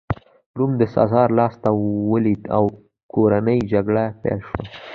روم د سزار لاسته ولوېد او کورنۍ جګړه پیل شوه